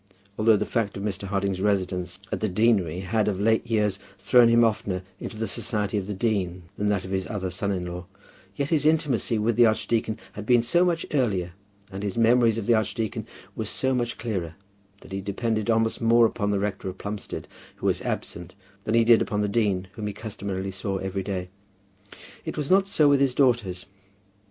Although the fact of Mr. Harding's residence at the deanery had of late years thrown him oftener into the society of the dean than that of his other son in law, yet his intimacy with the archdeacon had been so much earlier, and his memories of the archdeacon were so much clearer, that he depended almost more upon the rector of Plumstead, who was absent, than he did upon the dean, whom he customarily saw every day. It was not so with his daughters.